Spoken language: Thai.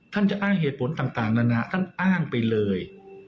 ท่านจะอ้างเหตุผลต่างนานาท่านอ้างไปเลย